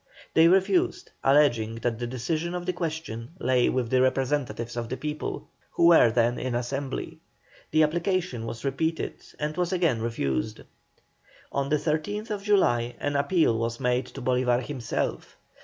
They refused, alleging that the decision of the question lay with the representatives of the people, who were then in Assembly. The application was repeated, and was again refused. On the 13th July an appeal was made to Bolívar himself.